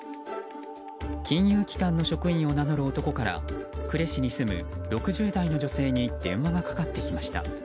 金融機関の職員を名乗る男から呉市に住む６０代の女性に電話がかかってきました。